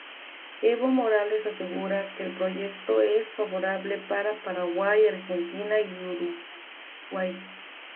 Evo Morales asegura que el proyecto es favorable para Paraguay, Argentina y Uruguay.